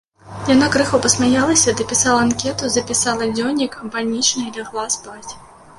Яна крыху пасмяялася, дапісала анкету, запісала дзённік бальнічны і лягла спаць.